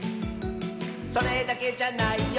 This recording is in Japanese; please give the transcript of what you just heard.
「それだけじゃないよ」